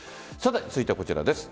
続いてはこちらです。